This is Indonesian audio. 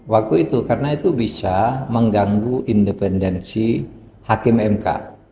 waktu itu karena itu bisa mengganggu independensi hakim mk